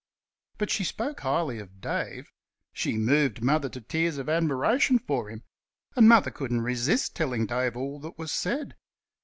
But she spoke highly of Dave. She moved Mother to tears of admiration for him. And Mother couldn't resist telling Dave all that was said.